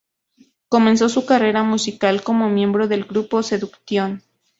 Comenzó su carrera musical como miembro del grupo Seduction.